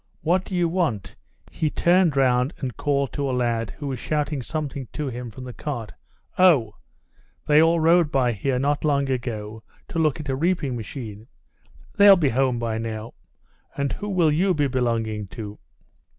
What do you want?" He turned round and called to a lad, who was shouting something to him from the cart. "Oh! They all rode by here not long since, to look at a reaping machine. They'll be home by now. And who will you be belonging to?..."